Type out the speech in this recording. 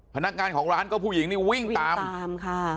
พนักงานของร้านก็ผู้หญิงนี้วิ่งตาม